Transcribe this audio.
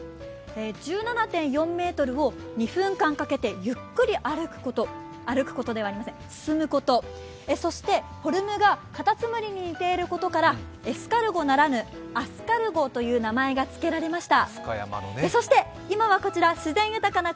１７．４ｍを２分間かけてゆっくり進むこと、そしてフォルムがかたつむりに似ていることからエスカルゴならぬアスカルゴという名前が付けられました。